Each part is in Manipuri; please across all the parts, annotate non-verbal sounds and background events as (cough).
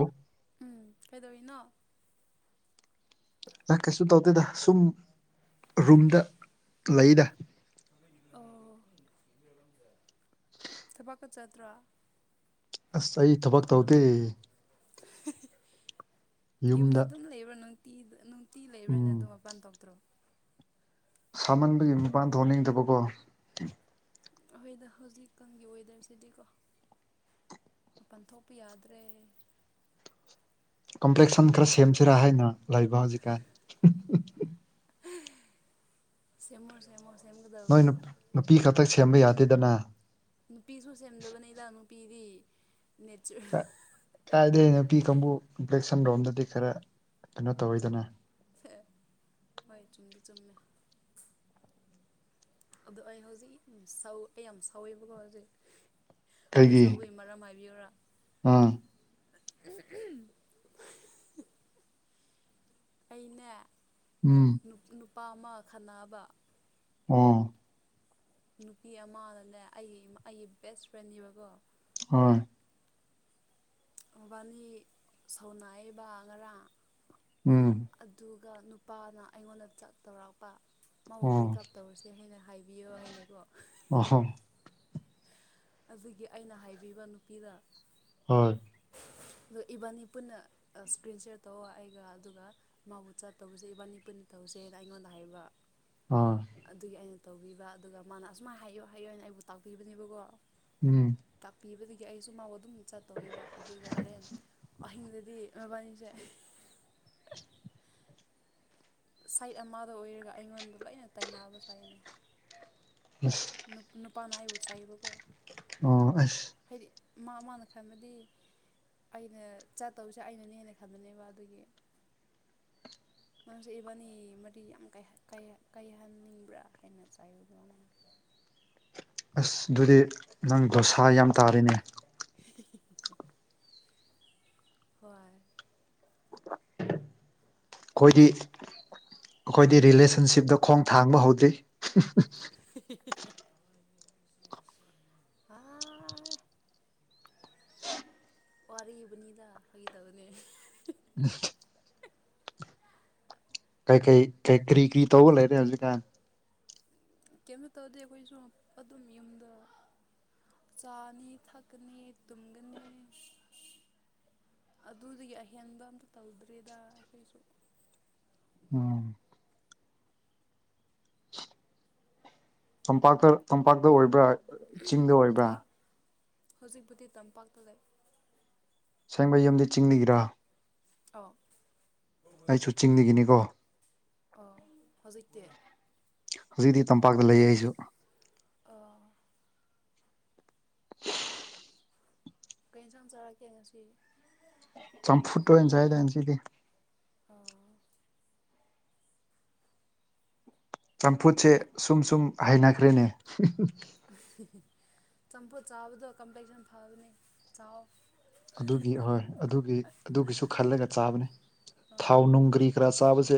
ꯍ ꯎꯝ ꯀꯩꯗꯧꯔꯤꯅꯣ ꯑꯦ ꯀꯩꯁꯨ ꯇꯧꯗꯦꯗ ꯁꯨꯝ ꯔꯨꯝꯗ ꯂꯩꯗ ꯊꯨꯕꯥꯀ ꯆꯇ꯭ꯔ ꯑꯁ ꯑꯩ ꯊꯕꯛ ꯇꯧꯗꯦ ꯌꯨꯝꯗ ꯑꯗꯨꯝ ꯂꯩꯕ꯭ꯔꯥ ꯅꯨꯡꯇꯤꯗ ꯇꯤ ꯂꯩꯕ꯭ꯔꯥꯅꯦ ꯎꯝ ꯑꯗꯨꯣ ꯃꯄꯥꯟ ꯊꯣꯛꯧꯇ꯭ꯔꯣ ꯁꯥꯃꯟꯕꯒꯤ ꯃꯄꯥꯟ ꯊꯣꯛꯍꯟꯅꯤꯡꯗꯕꯀꯣ ꯑꯩꯈꯣꯏꯗ ꯍꯧꯖꯤꯛꯀꯒꯤ ꯑꯣꯏꯋꯗꯔꯁꯤꯗꯤꯀꯣ ꯃꯄꯟ ꯊꯣꯛꯄ ꯌꯥꯗ꯭ꯔꯦ ꯀꯝꯄ꯭ꯂꯦꯛꯁꯟ ꯈꯔ ꯁꯦꯝꯁꯤꯔꯥ ꯍꯥꯏꯅ ꯂꯩꯕ ꯍꯧꯖꯤꯛꯀꯥꯟ ꯆꯦꯃꯨ ꯁꯦꯃꯁ ꯅꯣꯏ ꯅꯨꯄꯤ ꯈꯛꯇꯛ ꯁꯦꯝꯕ ꯌꯥꯗꯦꯗꯅ ꯅꯨꯄꯤꯁꯨ ꯁꯦꯝꯗꯕꯅꯤꯗ ꯅꯨꯄꯤꯗꯤ ꯅꯦꯆꯔ ꯀꯥ ꯀꯥꯏꯗꯩ ꯅꯨꯄꯤ ꯀꯥꯡꯕꯨ ꯕ꯭ꯂꯦꯛ ꯁꯟ ꯔꯣꯝꯗꯗꯤ ꯈꯔ ꯀꯩꯅꯣ ꯇꯧꯋꯤꯗꯅ ꯐꯦ ꯍꯏ ꯆꯨꯝꯗꯤ ꯆꯨꯝꯃꯦ ꯑꯗꯣ ꯑꯩ ꯍꯧꯖꯤꯛ ꯁ ꯑꯩ ꯌꯥꯝ ꯁꯥꯎꯋꯦꯕꯀꯣ ꯍꯧꯖꯤꯛ ꯑꯩ ꯀꯩꯒꯤ ꯁꯧꯕꯒꯤ ꯃꯔꯝ ꯍꯥꯏꯕꯤꯌꯔ ꯑꯥ (unintelligible) ꯑꯩꯅ ꯎꯝ ꯅꯨꯄꯥ ꯑꯃ ꯈꯟꯅꯕ ꯑꯥ ꯅꯨꯄꯤ ꯑꯃꯅ ꯂꯩ ꯑꯩꯒꯤ ꯑꯩꯒꯤ ꯕꯦꯁ ꯐ꯭ꯔꯦꯟꯅꯦꯕꯀꯣ ꯍꯣꯐ ꯃꯕꯥꯅꯤ ꯁꯥꯎꯅꯥꯏꯕ ꯉꯔꯥꯡ ꯎꯝ ꯑꯗꯨꯒ ꯑꯗꯨꯒꯒ ꯅꯨꯄꯥꯅ ꯑꯩꯉꯣꯟꯗ ꯆꯥꯛ ꯇꯧꯔꯛꯄ ꯃꯥꯕꯨ ꯑꯣ ꯕ꯭ꯔꯦꯛꯀꯑꯞ ꯇꯧꯔꯁꯦ ꯍꯥꯏꯅ ꯍꯥꯏꯕꯤꯌꯣ ꯍꯥꯏꯅꯀꯣ ꯑꯣꯍꯣ ꯑꯗꯨꯒꯤ ꯑꯩꯅ ꯍꯥꯏꯕꯤꯕ ꯅꯨꯄꯤꯗꯥ ꯍꯣꯏ ꯑꯣ ꯏꯕꯥꯅꯤ ꯄꯨꯟꯅ ꯏꯁꯀ꯭ꯔꯤꯟ ꯁꯤꯦꯌꯥꯔ ꯇꯧ ꯑꯩꯒ ꯑꯗꯨꯒ ꯃꯥꯕꯨ ꯆ ꯇꯧꯕꯁꯦ ꯏꯕꯥꯅꯤ ꯄꯨꯟꯅ ꯇꯧꯁꯦꯅ ꯑꯩꯉꯣꯟꯗ ꯍꯥꯏꯕ ꯑꯥ ꯑꯗꯨꯒꯤ ꯑꯩꯅ ꯇꯧꯕꯤꯕ ꯑꯗꯨꯒ ꯃꯥꯅ ꯑꯁꯨꯃꯥꯏꯅ ꯍꯥꯏꯌꯨ ꯍꯥꯏꯌꯨꯑꯣ ꯑꯣꯏꯅ ꯑꯩꯕꯨ ꯇꯥꯛꯄꯤꯕꯅꯦꯕꯀꯣ ꯎꯝ ꯇꯥꯛꯄꯤꯕꯗꯒꯤ ꯑꯩꯁꯨ ꯃꯥꯎ ꯑꯗꯨꯝ ꯆꯠꯇꯧꯋꯦꯕ ꯑꯗꯨꯒ ꯍꯣꯔꯦꯟ ꯋꯥꯍꯤꯡꯗꯗꯤ ꯐ ꯃ ꯄꯅꯤꯁꯦ ꯁꯥꯏꯠ ꯑꯃꯗ ꯑꯣꯏꯔꯒ ꯑꯩꯉꯣꯟꯗ ꯂꯣꯏꯅ ꯇꯩꯅꯕ ꯆꯥꯏꯅꯅꯤ ꯁ ꯄꯅꯥꯏꯕꯨ ꯆꯥꯏꯕ ꯀꯣ ꯑꯣ ꯑꯁ ꯃꯥ ꯃꯥꯅ ꯈꯟꯕꯗꯤ ꯑꯩꯅ ꯆꯠꯇꯧꯁꯦ ꯑꯩꯅꯅꯦꯅ ꯈꯟꯕꯅꯦꯕ ꯑꯗꯨꯒꯤ ꯅꯪꯁꯨꯑꯕꯥꯅꯤ ꯃꯗꯤ ꯌꯥꯝ ꯀꯥꯏꯍꯟꯅꯤꯡꯕ꯭ꯔꯥ ꯍꯥꯏꯅ ꯆꯥꯏꯨ ꯑꯗꯨꯅ (unintelligible) ꯑꯁ ꯑꯗꯨꯗꯤ ꯅꯪ ꯗꯣꯁꯥ ꯌꯥꯝ ꯇꯥꯔꯤꯅꯦ ꯍ ꯑꯩꯈꯣꯏꯗꯤ ꯑꯩꯈꯣꯏꯗꯤ ꯔꯤꯂꯦꯁꯟꯁꯤꯞꯇ ꯈꯣꯡ ꯊꯥꯡꯕ ꯍꯧꯗ꯭ꯔꯤ (unintelligible) ꯑ ꯋꯥꯔꯤꯕꯅꯤꯗ ꯍ ꯇ ꯑꯗꯨꯅꯦ ꯎꯝ ꯀꯩ ꯀꯩ ꯀꯩ ꯀ꯭ꯔꯤ ꯀ꯭ꯔꯤ ꯇꯧꯒ ꯂꯩꯔꯦ ꯍꯧꯖꯤꯛꯀꯥꯟ ꯀꯩꯝꯣ ꯇꯧꯔꯗꯤ ꯑꯩꯈꯣꯏꯁꯨ ꯑꯗꯨꯝ ꯌꯨꯝꯗ ꯆꯥꯅꯤ ꯊꯛꯅꯤ ꯇꯨꯝꯒꯅꯤ ꯑꯗꯨꯗꯒꯤ ꯑꯍꯦꯟꯕ ꯑꯝꯇ ꯇꯧꯗ꯭ꯔꯔꯤꯦꯗ ꯑꯩꯈꯣꯏꯁꯨ ꯎꯝ ꯇꯝꯄꯥꯛꯇ ꯇꯝꯄꯥꯛꯇ ꯑꯣꯏꯕ꯭ꯔꯥ ꯆꯤꯡꯗ ꯑꯣꯏꯕ꯭ꯔꯥ ꯑꯥꯎ ꯍꯧꯖꯤꯛꯄꯨꯗꯤ ꯇꯝꯄꯥꯛꯇ ꯂꯩ ꯁꯦꯡꯕ ꯌꯨꯝꯗꯤ ꯆꯤꯡꯂꯤꯒꯤꯔꯥ ꯑꯣ ꯑꯩꯁꯨ ꯆꯤꯡꯗꯒꯤꯅꯤꯀꯣ ꯑ ꯍꯧꯖꯤꯛꯇꯤ ꯍꯧꯖꯤꯛꯇꯤ ꯇꯝꯄꯥꯛꯇ ꯂꯩꯌꯦ ꯑꯩꯁꯨ ꯑꯥ ꯀꯩꯅ ꯁꯝ ꯆꯔ ꯀ ꯁꯤ ꯆꯝꯐꯨꯠ ꯑꯣꯏꯅꯁꯥꯏꯗꯥꯅ ꯁꯤꯗꯤ ꯑꯣ ꯆꯝꯐꯨꯠꯁꯦ ꯅꯊ ꯁꯨꯝ ꯁꯨꯝ ꯍꯥꯏꯅꯈ꯭ꯔꯦꯅꯦ ꯆꯝꯐꯨ ꯆꯥꯕꯗꯣ ꯀꯝꯄ꯭ꯂꯂꯤꯦꯛꯁꯟ ꯐꯕꯅꯤ ꯆꯥꯎ ꯑꯗꯨꯒꯤ ꯑꯣꯏ ꯑꯗꯨꯒꯤ ꯑꯗꯨꯒꯤꯁꯨ ꯈꯜꯂꯒ ꯆꯥꯕꯅꯤ ꯑꯥ ꯊꯥꯎ ꯂꯣꯡꯒꯔꯤ ꯈꯔ ꯆꯥꯕꯁꯦ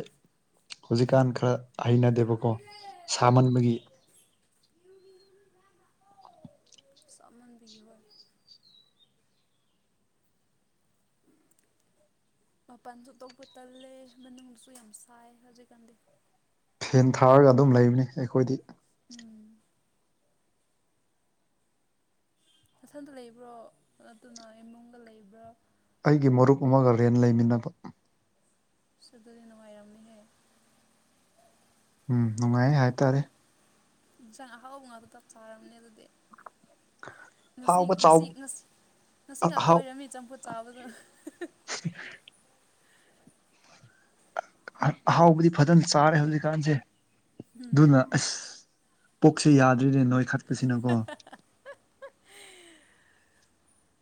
ꯍꯧꯖꯤꯛꯀꯥꯟ ꯈꯔ ꯍꯩꯅꯗꯦꯕꯀꯣ ꯁꯥꯃꯟꯕꯒꯤ ꯁꯃꯟꯕꯤꯒꯤ ꯑꯣꯏ ꯎꯝ ꯃꯄꯥꯟꯁꯨ ꯇꯣꯛꯧꯕ ꯇꯜꯂꯦ ꯃꯅꯨꯡꯗꯁꯨ ꯌꯥꯝ ꯁꯥꯏ ꯍꯧꯖꯤꯛꯀꯥꯟꯗꯤ ꯐꯦꯟ ꯊꯥꯔꯒ ꯑꯗꯨꯝ ꯂꯩꯕꯅꯤ ꯑꯩꯈꯣꯏꯗꯤ ꯎꯝ ꯃꯊꯟꯗ ꯂꯩꯕ꯭ꯔꯣ ꯑꯗꯨꯅ ꯏꯃꯨꯡꯒ ꯂꯩꯕ꯭ꯔꯥ ꯑꯩꯒꯤ ꯃꯔꯨꯞ ꯑꯃꯒ ꯔꯦꯟ ꯂꯩꯃꯤꯟꯅꯕ ꯁꯗꯔꯤ ꯅꯨꯡꯉꯥꯏꯔꯝꯅꯤꯍꯦ ꯎꯝ ꯅꯨꯡꯉꯥꯏ ꯍꯥꯏꯇꯥꯔꯦ ꯑꯍꯥꯎꯕ ꯉꯥꯗꯨ ꯇꯥꯛ ꯆꯥꯔꯝꯅꯦ ꯑꯗꯨꯗꯤ ꯉꯁꯤ ꯍꯥꯎꯕ ꯆꯥꯎ ꯉꯁꯤ ꯉꯁꯤ ꯉꯁꯤ ꯉꯥꯛꯇ ꯑꯍꯥꯎ ꯑꯣꯏꯔꯝꯃꯤ ꯆꯝꯐꯨꯠ ꯆꯥꯕꯗꯣ ꯑꯍꯥꯎꯕꯗꯤ ꯐꯖꯅ ꯆꯥꯔꯦ ꯍꯧꯖꯤꯛꯀꯥꯟꯁꯦ ꯑꯗꯨꯅ ꯑꯁ ꯄꯣꯛꯁꯤ ꯌꯥꯗ꯭ꯔꯤꯅꯦ ꯅꯣꯏ ꯈꯠꯀꯁꯤꯅꯀꯣ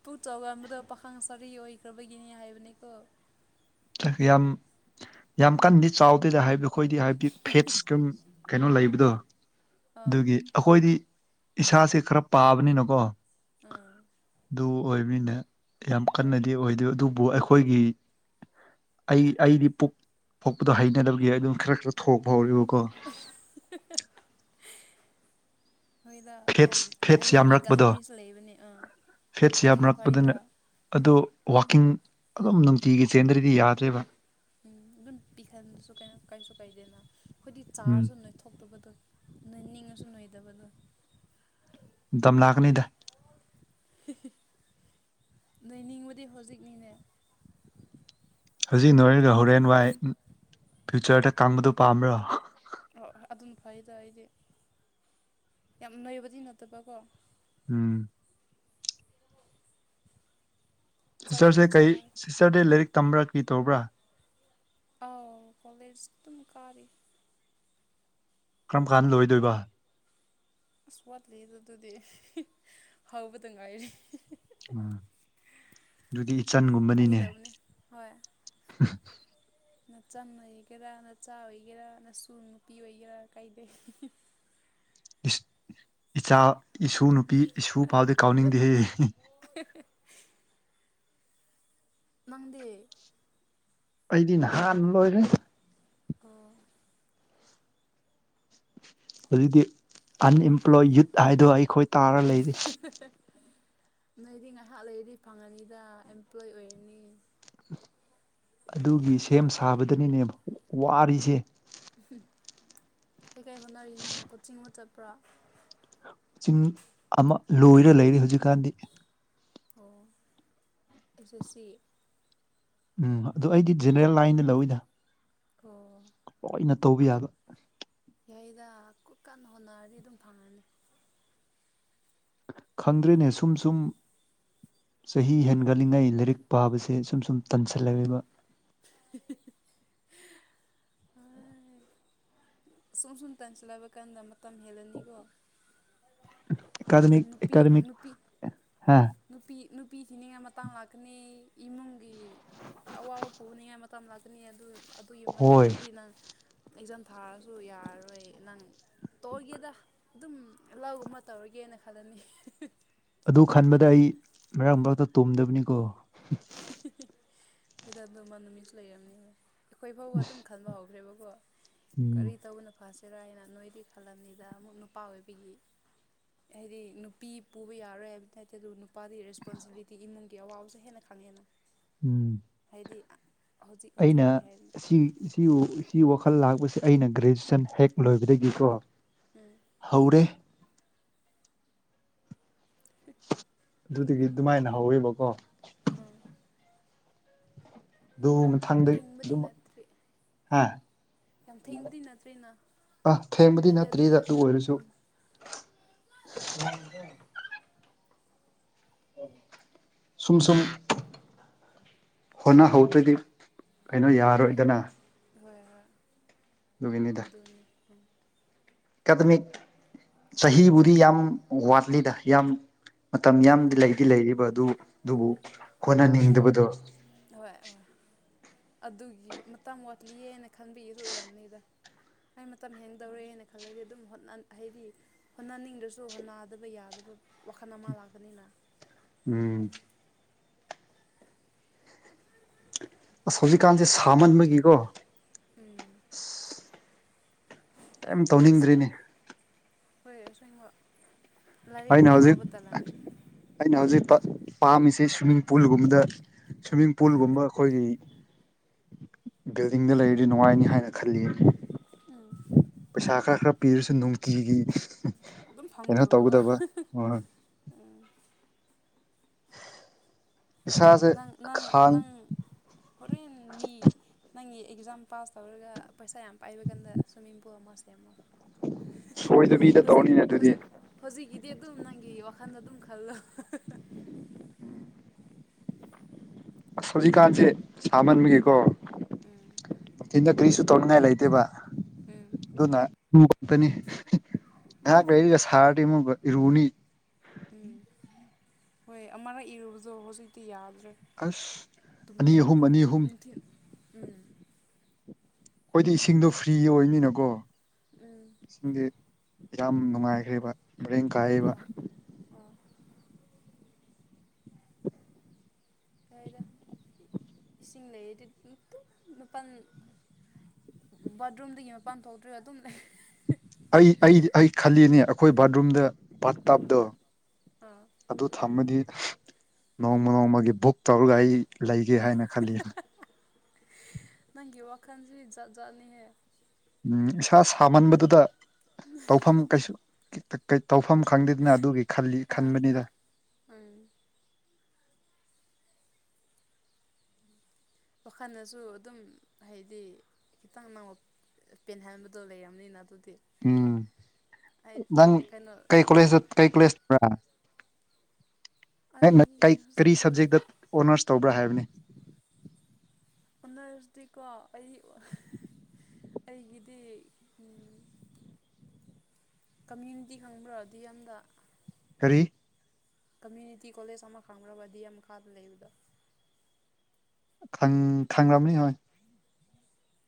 ꯄꯨꯛ ꯆꯥꯎꯒ ꯑꯃꯗ ꯄꯥꯈꯪ ꯁꯥꯔꯤ ꯑꯣꯏꯈ꯭ꯔꯕꯒꯤꯅꯤ ꯍꯥꯏꯕꯅꯤꯀꯣ ꯌꯥꯝ ꯌꯥꯝ ꯀꯟꯗꯤ ꯆꯥꯎꯗꯦꯗ ꯍꯥꯏꯕꯤꯌꯨ ꯑꯩꯈꯣꯏꯗꯤ ꯍꯥꯏꯕꯗꯤ ꯐꯦꯠꯁꯀꯝ ꯀꯩꯅꯣ ꯂꯩꯕꯗꯣ ꯑꯥ ꯑꯗꯨꯒꯤ ꯑꯩꯈꯣꯏꯗꯤ ꯏꯁꯥꯁꯦ ꯈꯔ ꯄꯥꯕꯅꯤꯅꯀꯣ ꯑꯥ ꯑꯗꯨ ꯑꯣꯏꯅꯤꯅꯦ ꯌꯥꯝ ꯍꯣꯏ ꯀꯟꯅꯗꯤ ꯑꯣꯏꯗꯣꯏ ꯑꯗꯨꯕꯨ ꯑꯩꯈꯣꯏꯒꯤ ꯑꯩ ꯑꯩꯗꯤ ꯄꯣꯛꯄꯗꯣ ꯍꯩꯅꯔꯒꯦ ꯑꯗꯨꯝ ꯈꯔ ꯈꯔ ꯊꯣꯛ ꯍꯧꯔꯤꯕ (unintelligible) (inaudible) ꯍꯣꯏꯗ ꯌꯥꯝ ꯐꯦꯠꯁ ꯐꯦꯠꯁ ꯍꯥꯏꯗꯤ ꯅꯣꯏꯒꯟ ꯅꯨ ꯌꯥꯝꯔꯛꯄꯗꯣ ꯃꯤꯁꯨ ꯂꯩꯕꯅꯦ ꯑꯥ ꯐꯦꯠꯁ ꯑꯗꯨꯅ ꯐꯩꯗ ꯌꯥꯝꯅꯔꯛꯄꯗꯅ ꯑꯣ ꯋꯥꯋꯥꯛꯀꯤꯡ ꯑꯗꯨꯝ ꯅꯨꯡꯇꯤꯒꯤ ꯆꯦꯟꯗ꯭ꯔꯗꯤ ꯌꯥꯗ꯭ꯔꯦꯕ ꯎ ꯑꯗꯨꯝ ꯄꯤꯊꯟꯕꯁꯨ ꯀ ꯀꯩꯁꯨ ꯀꯥꯏꯗꯦꯅ ꯑꯩꯈꯣꯏꯗꯤ ꯎꯝ ꯆꯥꯔꯁꯨ ꯅꯣꯏ ꯊꯣꯛꯇꯕꯗꯣ ꯏꯅꯤ ꯉꯁꯟꯣꯏꯗꯕꯗ ꯂꯝꯝꯂꯥꯛꯅꯤꯗ ꯂꯩꯅꯤꯡꯕꯗꯤ ꯍꯧꯖꯤꯛꯅꯤꯅꯦ ꯍꯧꯖꯤꯛ ꯅꯣꯏꯔꯒ ꯍꯣꯔꯦꯟ ꯋꯥꯏ ꯐ꯭ꯌꯨꯆꯔꯗ ꯀꯪꯕꯗꯨꯣ ꯄꯥꯝꯕ꯭ꯔꯣ ꯑꯣ ꯑꯗꯨꯅ ꯐꯩꯗꯣ ꯑꯩꯗꯤ ꯌꯥꯝ ꯅꯣꯏꯕꯗꯤ ꯅꯠꯇꯕꯀꯣ ꯎꯝ ꯆꯥꯛ ꯌꯥꯝ ꯁꯤꯁꯇꯔꯁꯦ ꯀꯔꯤ ꯆꯥꯔꯦ ꯁꯤꯁꯇꯔꯗꯤ ꯂꯥꯏꯔꯤꯛ ꯇꯝꯕ꯭ꯔꯥ ꯀꯔꯤ ꯇꯧꯕ꯭ꯔꯥ ꯑꯥꯎ ꯀꯣꯂꯦꯖ ꯇꯝ ꯀꯥꯔꯔꯤ ꯀꯔꯝ ꯀꯥꯟꯗ ꯂꯣꯏꯗꯣꯏꯕ ꯑꯁ ꯋꯥꯠꯂꯤ ꯑꯗꯨ ꯑꯗꯨꯗꯤ ꯍꯥꯎꯕꯗ ꯉꯥꯏꯔꯦ ꯎ ꯌꯗꯤ ꯆꯟꯒꯨꯝꯕꯅꯤꯅꯦ ꯐꯥꯒꯤꯗꯕꯅꯦ ꯍꯣꯏ ꯅꯆꯟ ꯑꯣꯏꯒꯦꯔꯥ ꯅꯆꯥ ꯑꯣꯏꯒꯦꯔꯥ ꯅꯁꯨ ꯅꯨꯄꯤ ꯑꯣꯏꯒꯦꯔꯥ ꯀꯩꯗꯩ ꯏꯆꯥ ꯏꯁꯨ ꯅꯨꯄꯤ ꯏꯁꯨ ꯐꯥꯎꯗꯤ ꯀꯥꯎꯅꯤꯡꯗꯦ ꯍꯦ (unintelligible) (inaudible) ꯃꯥꯡꯗꯦ ꯑꯩꯗꯤ ꯅꯍꯥꯟ ꯂꯣꯏꯔꯦ ꯀ (unintelligible) (inaudible) ꯍꯧꯖꯤꯛꯇꯤ ꯑꯟꯑꯦꯝꯄ꯭ꯂꯣꯏ ꯌꯨꯠ ꯍꯥꯏꯗꯣ ꯑꯩꯈꯣꯏ ꯇꯥꯔ ꯂꯩꯔꯤ ꯅꯣꯏꯗꯤ ꯉꯥꯏꯍꯥꯛ ꯂꯩꯔꯗꯤ ꯐꯪꯉꯅꯤꯗ ꯑꯦꯝꯄ꯭ꯂꯣꯏ ꯑꯣꯏꯔꯅꯤ ꯑꯗꯨꯒꯤ ꯁꯦꯝ ꯁꯥꯕꯗꯅꯤꯅꯦꯕ ꯋꯥꯔꯤꯔꯤꯁꯦ ꯀꯩꯀꯩ ꯍꯣꯠꯅꯔꯤꯅꯣ ꯀꯣꯆꯤꯡꯕꯨ ꯆꯠꯄ꯭ꯔꯥ ꯆꯤꯡ ꯑꯃ ꯂꯣꯏꯔ ꯂꯩꯔꯤ ꯍꯧꯖꯤꯛꯀꯥꯟꯗꯤ ꯑꯣꯖꯦꯁꯤ ꯎꯝ ꯑꯗꯨꯗ ꯑꯩꯗꯤ ꯖꯦꯅꯔꯦꯜ ꯂꯥꯏꯟꯗ ꯂꯧꯋꯏꯗ ꯑꯣ ꯂꯅ ꯇꯧꯕ ꯌꯥꯕ ꯌꯥꯩꯗ ꯀꯟꯅ ꯍꯣꯠꯅꯔꯗꯤ ꯑꯗꯨꯝ ꯐꯪꯉꯅꯤ ꯈꯪꯗ꯭ꯔꯦꯅꯦ ꯁꯨꯝ ꯁꯨꯝ ꯆꯍꯤ ꯍꯦꯟꯒꯠꯜꯂꯤꯉꯩ ꯂꯥꯏꯔꯤꯛ ꯄꯥꯕꯁꯦ ꯁꯨꯝ ꯁꯨꯝ ꯇꯟꯁꯤꯜꯂꯦꯕ (unintelligible) (inaudible) ꯁꯨꯝ ꯁꯨꯝ ꯇꯥꯟꯁꯤꯜꯂꯛꯕ ꯀꯥꯟꯗ ꯃꯇꯝ ꯍꯦꯜꯂꯅꯤꯀꯣ ꯑꯦꯀꯥꯗꯃꯤ ꯅꯨꯄꯤ ꯑꯦꯀꯥꯗꯃꯤꯛ ꯅꯨꯄꯤ ꯍꯥ ꯅꯨꯄꯤ ꯅꯨꯄꯤ ꯊꯤꯅꯤꯡꯉꯥꯏ ꯃꯇꯥꯡ ꯂꯥꯛꯀꯅꯤ ꯏꯃꯨꯡꯒꯤ ꯑꯋꯥꯕ ꯄꯨꯣꯛꯅꯤꯡꯉꯥꯏ ꯃꯇꯥꯡ ꯂꯥꯛꯀꯅꯤ ꯑꯗꯨ ꯑꯗꯨꯒꯤ ꯍꯣꯏ ꯃꯇꯥꯡꯗꯗꯤ ꯅꯪ ꯑꯦꯛꯖꯥꯝ ꯊꯥꯔꯁꯨ ꯌꯥꯔꯔꯣꯏ ꯅꯪ ꯇꯧꯒꯦꯗ ꯑꯗꯨꯝ ꯂꯧꯒꯨꯝꯕ ꯇꯧꯔꯒꯦꯅ ꯈꯜꯂꯅꯤ ꯑꯗꯨ ꯈꯟꯕꯗ ꯑꯩ ꯉꯔꯥꯡ ꯃꯔꯛꯇ ꯇꯨꯝꯗꯕꯅꯤꯀꯣ ꯑꯩꯗ ꯑꯗꯨ ꯃꯅ ꯃꯤꯁ ꯂꯩ ꯌꯥꯅꯤ ꯑꯩꯈꯣꯏ ꯐꯥꯎꯕ ꯑꯗꯨꯝ ꯑꯁ ꯈꯟꯕ ꯍꯧꯈ꯭ꯔꯦꯕꯀꯣ ꯎꯝ ꯀꯔꯤ ꯇꯧꯕꯅ ꯐꯥꯁ ꯆꯦꯔꯥꯏꯅ ꯅꯣꯏꯗꯤ ꯈꯜꯂꯝꯅꯤꯗ ꯑꯃꯨꯛ ꯅꯨꯄꯥ ꯑꯣꯏꯕꯤꯒꯤ ꯍꯥꯏꯗꯤ ꯅꯨꯄꯤ ꯄꯨꯕ ꯌꯥꯔꯣꯏ ꯍꯥꯏꯕꯗꯤ ꯅꯠꯇꯦ ꯑꯗꯨ ꯅꯨꯄꯥꯒꯤ ꯔꯦꯁꯄꯣꯟꯁꯤꯕꯤꯂꯤꯇꯤ ꯏꯃꯨꯡꯒꯤ ꯑꯋꯥꯕꯁꯦ ꯍꯦꯟꯅ ꯎꯝ ꯑꯗꯨꯗꯤ ꯑꯩꯅ ꯁꯤ ꯋꯥꯈ ꯈꯜ ꯂꯥꯛꯄꯁꯦ ꯑꯩꯅ ꯒ꯭ꯔꯦꯖꯨꯦꯁꯟ ꯍꯦꯛ ꯂꯣꯏꯕꯗꯒꯤꯀꯣ ꯍꯧꯔꯦ ꯑꯗꯨꯗꯒꯤ ꯑꯗꯨꯃꯥꯏꯅ ꯍꯧꯋꯦꯕꯀꯣ ꯎꯝ ꯑꯗꯨ ꯏꯗꯥ ꯃꯊꯪꯗ ꯊꯦꯡꯕꯗꯤ ꯅꯠꯇ꯭ꯔꯦ ꯑꯥ ꯊꯦꯡꯕꯗꯤ ꯍꯥꯏꯗꯤ ꯑꯗꯨꯝ ꯅꯠꯇ꯭ꯔꯤꯗ ꯑꯗꯨ ꯑꯣꯏꯔꯁꯨ ꯎꯝ ꯅꯪ ꯁꯨꯝ ꯁꯨꯝ ꯍꯣꯠꯅꯍꯧꯗ꯭ꯔꯗꯤ ꯀꯩꯅꯣ ꯌꯥꯔꯣꯏꯗꯅ ꯍꯣꯏ ꯍꯣꯏ ꯑꯗꯨꯒꯤꯅꯤꯗ ꯑꯗꯨꯅꯤ ꯎꯝ ꯑꯦꯀꯥꯗꯃꯤꯛ ꯆꯍꯤꯕꯨꯗꯤ ꯌꯥꯝ ꯋꯥꯠꯂꯤꯗ ꯌꯥꯝ ꯃꯇꯝ ꯌꯥꯝꯗꯤ ꯂꯩꯗꯤ ꯂꯩꯔꯤꯕ ꯑꯗꯨ ꯎꯝ ꯑꯗꯨꯕꯨ ꯍꯣꯠꯅꯅꯤꯡꯗꯕꯗꯣ ꯍꯣꯏ ꯍꯣꯏ ꯑꯗꯨꯒꯤ ꯃꯇꯝꯥꯡ ꯋꯥꯠꯂꯤꯑꯅ ꯈꯟꯕꯤꯒꯁꯨ ꯑꯣꯏꯔꯝꯅꯤꯗ ꯑꯩ ꯃꯇꯝ ꯍꯦꯡꯗꯧꯔꯦꯅ ꯈꯜꯂꯗꯤ ꯑꯗꯨꯝ ꯍꯥꯏꯗꯤ ꯍꯣꯠꯅꯅꯤꯡꯗ꯭ꯔꯁꯨ ꯍꯣꯠꯅꯗꯕ ꯌꯥꯗꯕ ꯋꯥꯈꯜ ꯑꯃ ꯂꯥꯛꯒꯅꯤꯅ ꯎꯝ ꯑꯁ ꯍꯧꯖꯤꯛꯀꯥꯟꯁꯦ ꯁꯥꯃꯟꯕꯒꯤꯀꯣ ꯎꯝ ꯀꯩꯝ ꯇꯧꯅꯤꯡꯗ꯭ꯔꯤꯅꯦ ꯍꯣꯏꯁꯦꯡꯉꯣ ꯑꯩꯅ ꯍꯧꯖꯤꯛ ꯑꯩꯅ ꯍꯧꯖꯤꯛ ꯄꯥꯝꯃꯤꯁꯤ ꯁ꯭ꯋꯤꯃꯤꯡ ꯄꯨꯜꯒꯨꯝꯕꯗ ꯁ꯭ꯋꯤꯝꯃꯤꯡ ꯄꯨꯜꯒꯨꯝꯕ ꯑꯩꯈꯣꯏꯒꯤ ꯕꯤꯜꯗꯤꯡꯗ ꯂꯩꯔꯤꯗꯤ ꯅꯨꯡꯉꯥꯏꯅꯤ ꯍꯥꯏꯅ ꯈꯜꯂꯤ ꯎꯝ ꯄꯩꯁꯥ ꯈꯔ ꯈꯔ ꯄꯤꯔꯁꯨ ꯅꯨꯡꯇꯤꯒꯤ ꯑꯗꯨꯝ ꯀꯩꯅꯣ ꯐꯪꯗꯕꯒꯣ ꯇꯧꯒꯗꯕ ꯍꯣꯏ ꯎꯝ ꯏꯁꯥꯁꯦ ꯅꯪ ꯈꯥꯡ ꯅꯪ ꯍꯣꯔꯦꯟ ꯃꯤ ꯅꯪ ꯑꯦꯛꯖꯥꯝ ꯄꯥꯁ ꯇꯧꯔꯒ ꯄꯩꯁꯥ ꯌꯥꯝ ꯄꯥꯏꯕ ꯀꯥꯟꯗ ꯁ꯭ꯋꯤꯝꯃꯤꯡꯄꯨ ꯑꯃ ꯁꯦꯝꯃꯣ ꯁꯣꯏꯗꯕꯤꯗ ꯍꯧꯖꯤꯛ ꯇꯧꯔꯅꯤꯅꯦ ꯑꯗꯨꯗꯤ ꯍꯧꯖꯤꯛ ꯍꯧꯖꯤꯛꯀꯤꯗꯤ ꯑꯗꯨꯝ ꯅꯪꯒꯤ ꯋꯥꯈꯜꯗ ꯑꯗꯨꯝ ꯈ ꯍꯜꯂꯣ ꯑ ꯁꯖꯤꯛꯀꯥꯟꯁꯦ ꯁꯥꯃꯟꯕꯒꯦꯀꯣ ꯎꯝ ꯑꯩꯅ ꯀꯔꯤꯁꯨ ꯇꯧꯅꯤꯡꯉꯥꯏ ꯂꯩꯇꯦꯕ ꯎꯝ ꯑꯗꯨꯅ ꯉꯍꯥꯛ ꯂꯩꯒ ꯁꯥꯔꯗꯤ ꯑꯃꯨꯒ ꯏꯔꯨꯅꯤ ꯎꯝ ꯍꯣꯏ ꯑꯔ ꯏꯔꯨꯕꯗꯣ ꯍꯧꯖꯤꯛꯇ ꯌꯥꯗ ꯑꯁ ꯑꯅꯤ ꯑꯍꯨꯝ ꯑꯅꯤ ꯑꯍꯨꯝ ꯅꯨꯡꯊꯤꯟ ꯎꯝ ꯑꯩꯈꯣꯏꯗꯤ ꯏꯁꯤꯡꯗꯣ ꯐ꯭ꯔꯤ ꯑꯣꯏꯅꯤꯅꯀꯣ ꯎꯝ ꯏꯁꯤꯡꯗꯤ ꯌꯥꯝ ꯅꯨꯡꯉꯥꯏꯈ꯭ꯦꯔꯤꯕ ꯃꯔꯦꯡ ꯀꯥꯏꯕ ꯑꯣ ꯑꯣ ꯍꯥꯏꯔ ꯏꯁꯤꯡ ꯂꯩꯔꯗꯤ ꯃꯄꯥꯜ ꯕꯥꯠꯔꯨꯝꯗꯒꯤ ꯃꯄꯥꯟ ꯊꯣꯛꯇ꯭ꯔꯣꯏꯔꯤꯕ ꯑꯗꯨꯝ ꯂꯩ ꯑꯩ ꯑꯩꯗꯤ ꯑꯩ ꯈꯜꯂꯤꯅꯦ ꯑꯩꯈꯣꯏ ꯕꯥꯠꯔꯨꯝꯗ ꯄ ꯇꯥꯞꯗꯣ ꯑꯥ ꯑꯗꯨ ꯊꯝꯃꯗꯤ ꯅꯣꯡꯃ ꯅꯣꯡꯃꯒꯤ ꯕꯨꯛ ꯇꯧꯔꯒ ꯑꯩ ꯂꯩꯒꯦ ꯍꯥꯏꯅ ꯈꯜꯂꯤ ꯈꯟꯁꯤꯖꯅꯤ ꯍ ꯎꯝ ꯏꯁꯥ ꯁꯥꯃꯟꯕꯗꯨꯗ ꯇꯧꯐꯝ ꯀꯩꯁꯨ ꯇꯧꯐꯝ ꯈꯪꯗꯦꯗꯅ ꯑꯗꯨꯒꯤꯜꯂꯤ ꯑꯥ ꯈꯟꯕꯅꯤꯗ ꯎꯝ ꯋꯥꯈꯜꯗꯁꯨ ꯑꯗꯨꯝ ꯍꯥꯏꯗꯤ ꯈꯤꯇꯪ ꯅ ꯄꯦꯟꯍꯟꯕꯗꯣ ꯂꯩꯔꯕꯅꯤꯅ ꯑꯗꯨꯗꯤ ꯎꯝ ꯑꯩ ꯅꯪ ꯀꯩꯅꯣ ꯀꯩ ꯀꯣꯂꯦꯖ ꯀꯩ ꯀꯣꯂꯦꯖ꯭ꯔꯥ ꯑꯩ ꯅ ꯀꯔꯤ ꯍꯧꯖꯤꯛꯀꯤꯗꯤ ꯁꯕꯖꯦꯛꯇ ꯑꯣꯅꯔꯁ ꯇꯧꯕ꯭ꯔꯥ ꯍꯥꯏꯕꯅꯤ ꯑꯣꯅꯗꯤ ꯀꯥ ꯑꯩ ꯑꯩꯒꯤꯗꯤ ꯀꯝꯃ꯭ꯨꯅꯤꯇꯤ ꯈꯪꯕ꯭ꯔꯗꯤ ꯌꯥꯝꯅ ꯀꯔꯤ ꯀꯝꯃ꯭ꯌꯨꯅꯤꯇꯤ ꯀꯣꯂꯦꯖ ꯑꯃ ꯈꯪꯈ꯭ꯔꯕꯗꯤ ꯃꯈꯥꯗ ꯂꯩꯕꯗ ꯈ ꯈꯒ꯭ꯔꯝꯅꯤ ꯍ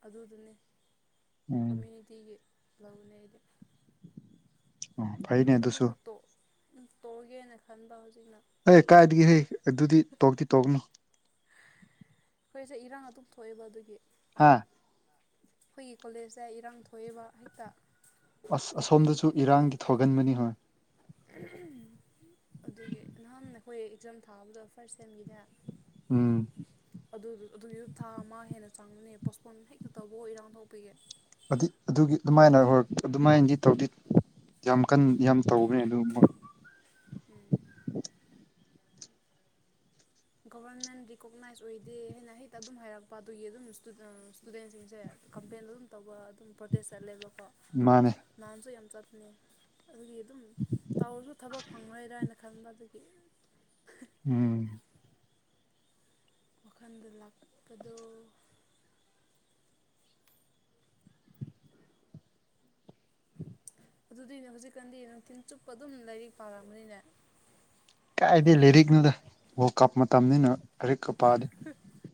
ꯑꯗꯨꯗꯨꯅꯤ ꯎꯝ ꯀꯃꯌꯨꯅꯤꯇꯤꯒꯤ ꯂꯧꯅꯦ ꯑꯩꯗꯤ ꯑꯣ ꯑꯗꯨ ꯐꯥꯏꯅꯦ ꯑꯗꯨꯨꯁꯨ ꯑꯗꯨꯕꯨ ꯇꯣꯛ ꯇꯧꯒꯦꯅ ꯈꯟꯕ ꯍꯧꯖꯤꯛ ꯍ ꯀꯥꯏꯗꯒꯤꯦ ꯍꯩ ꯑꯗꯨꯗꯤ ꯇꯣꯛꯇꯤ ꯇꯣꯛꯅꯣ ꯑꯩꯈꯣꯏꯁꯦ ꯏꯔꯥꯡ ꯑꯗꯨꯝ ꯊꯣꯛꯑꯦꯕ ꯑꯗꯨꯒꯤ ꯍꯥꯥ ꯑꯩꯈꯣꯏꯒꯤ ꯀꯣꯂꯦꯖꯇ ꯏꯔꯥꯡ ꯊꯣꯛꯏꯕ ꯍꯦꯛꯇ ꯑꯁ ꯑꯁꯣꯝꯗꯁꯨ ꯏꯔꯥꯡꯗꯤ ꯊꯒꯟꯕꯅꯤ ꯍꯣꯏ ꯑꯗꯨꯒꯤ ꯅꯍꯥꯟ ꯑꯩꯈꯣꯏ ꯑꯦꯛꯖꯥꯝ ꯊꯥꯕꯗꯣ ꯐꯥꯔꯁ ꯁꯦꯝꯒꯤꯅꯦ ꯎꯝ ꯑꯗꯨꯒꯤꯁꯨ ꯊꯥ ꯑꯃ ꯍꯦꯟꯅ ꯆꯪꯕꯅꯦ ꯄꯣꯁꯄꯣꯟ ꯍꯦꯛꯇ ꯇꯧꯕ ꯏꯔꯥꯡ ꯊꯣꯛꯄꯤꯒꯦ ꯑꯗꯨ ꯑꯗꯨꯒꯤ ꯑꯗꯨꯃꯥꯏꯅ ꯍ ꯑꯗꯨꯃꯥꯏꯅꯗꯤ ꯇꯧꯗꯤ ꯌꯥꯝ ꯀꯟ ꯌꯥꯝ ꯇꯧꯕꯅꯦ ꯑꯗꯨ ꯎꯝ ꯒꯣꯕꯔꯟꯃꯦꯟ ꯔꯤꯀꯣꯛꯅꯥꯏꯖ ꯑꯣꯏꯗꯦ ꯍꯥꯏꯅ ꯍꯦꯛꯇ ꯑꯗꯨꯝ ꯍꯥꯏꯔꯛꯄ ꯑꯗꯨꯒꯤ ꯑꯗꯨꯝꯨ ꯏꯁꯇꯨꯗꯦꯟꯁꯤꯡꯁꯦ ꯀꯝꯄ꯭ꯂꯦꯟ ꯑꯗꯨꯝ ꯇꯧꯕ ꯑꯗꯨꯝ ꯄ꯭ꯔꯣꯗꯦꯁ ꯆꯠꯂꯦꯕꯀꯣ ꯃꯥꯅꯦ ꯍꯥꯟꯁꯨ ꯌꯥꯝ ꯆꯠꯄꯅꯦ ꯑꯗꯨꯒꯤ ꯑꯗꯨꯝ ꯇꯥꯎꯔꯁꯨ ꯊꯕꯛ ꯐꯪꯉꯔꯣꯏꯗ꯭ꯔꯥꯅ ꯈꯟꯕ ꯑꯗꯨꯗꯒꯤ ꯎꯝ ꯋꯥꯈꯜꯗ ꯂꯥꯛꯄꯗꯣ ꯑꯗꯨꯗꯤꯅꯦ ꯍꯧꯖꯤꯛꯀꯥꯟꯗꯤ ꯅꯨꯡꯊꯤꯜ ꯆꯨꯞꯄ ꯑꯗꯨꯝ ꯂꯥꯏꯔꯤꯛ ꯄꯥꯔꯝꯕꯅꯤꯅꯦ ꯀꯥꯏꯗꯦ ꯂꯔꯤꯛꯅꯣꯗ ꯍ ꯀꯞ ꯃꯇꯝꯅꯤꯅ ꯔꯤꯛ ꯀ ꯄꯗꯤ